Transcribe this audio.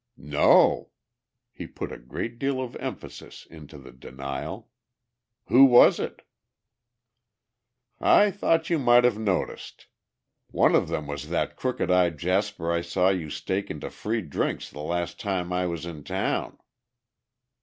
"No." He put a great deal of emphasis into the denial. "Who was it?" "I thought you might have noticed. One of them was that crooked eyed jasper I saw you staking to free drinks the last time I was in town."